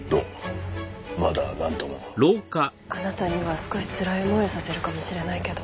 まだなんとも。あなたには少しつらい思いをさせるかもしれないけど。